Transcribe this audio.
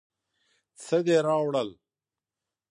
څه دې راوړل.